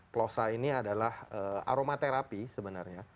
plosa ini adalah aromaterapi sebenarnya